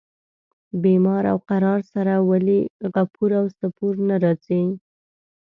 بیمار او قرار سره ولي غفور او سپور نه راځي.